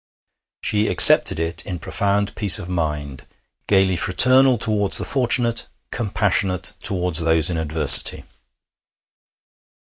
She accepted it in profound peace of mind, gaily fraternal towards the fortunate, compassionate towards those in adversity.